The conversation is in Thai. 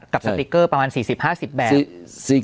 สติ๊กเกอร์ประมาณ๔๐๕๐แบบ